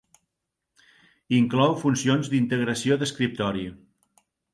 Inclou funcions d'integració d'escriptori.